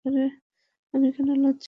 আমি কেন লজ্জা পাবো?